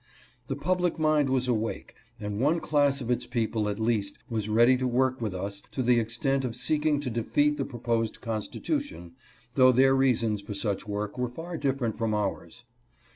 The public mind was awake, and one class of its people at least was ready to work with us to the extent of seeking to defeat the pro posed constitution, though their reasons for such work were far different from ours.